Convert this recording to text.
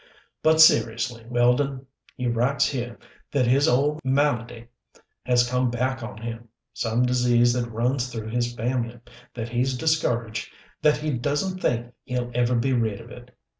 But seriously, Weldon. He writes here that his old malady has come back on him, some disease that runs through his family that he's discouraged, that he doesn't think he'll ever be rid of it.